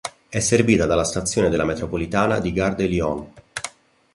È servita dalla stazione della metropolitana di "Gare de Lyon".